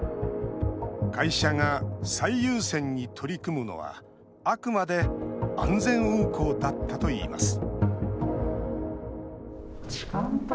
会社が最優先に取り組むのはあくまで安全運行だったといいます